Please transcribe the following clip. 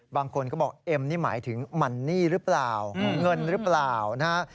บางคนก็บอกเอ็มนี่หมายถึงมันนี่หรือเปล่าเงินหรือเปล่านะฮะ